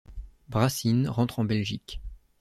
Brassine rentre en Belgique.